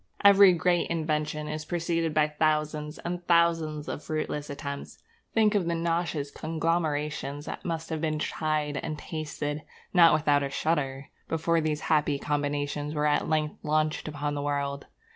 Every great invention is preceded by thousands and thousands of fruitless attempts. Think of the nauseous conglomerations that must have been tried and tasted, not without a shudder, before these happy combinations were at length launched upon the world.